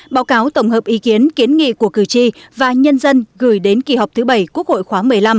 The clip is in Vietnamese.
báo cáo tổng hợp ý kiến kiến nghị của cử tri và nhân dân gửi đến kỳ họp thứ bảy quốc hội khóa một mươi năm